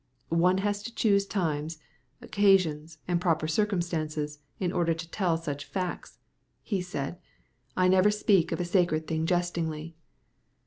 "One has to choose times, occasions, and proper circumstances, in order to tell such facts," he said. "I never speak of a sacred thing jestingly."